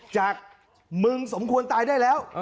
จากมึงสมควรตายได้แล้ว